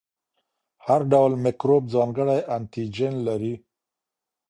هر ډول میکروب ځانګړی انټيجن لري.